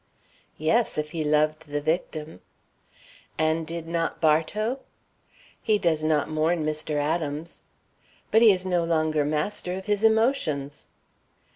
"Yes, if he loved the victim." "And did not Bartow?" "He does not mourn Mr. Adams." "But he is no longer master of his emotions."